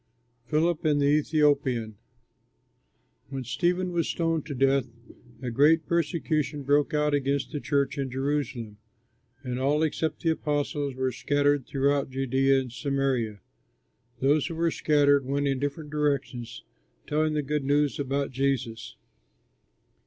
PHILIP AND THE ETHIOPIAN When Stephen was stoned to death a great persecution broke out against the church in Jerusalem, and all except the apostles were scattered throughout Judea and Samaria. Those who were scattered went in different directions telling the good news about Jesus.